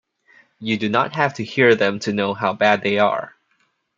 You do not have to hear them to know how bad they are.